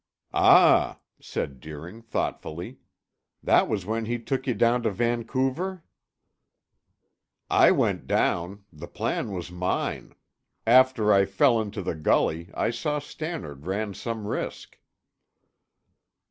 "Ah," said Deering, thoughtfully. "That was when he took you down to Vancouver?" "I went down. The plan was mine. After I fell into the gully, I saw Stannard ran some risk."